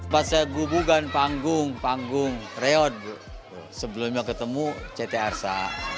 pas saya gubukan panggung panggung reot sebelumnya ketemu ctrsa